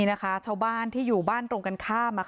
นี่นะคะชาวบ้านที่อยู่บ้านตรงกันข้าม